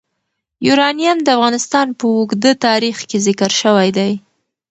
یورانیم د افغانستان په اوږده تاریخ کې ذکر شوی دی.